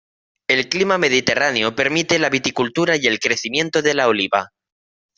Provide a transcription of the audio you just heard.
El clima mediterráneo permite la viticultura y el crecimiento de la oliva.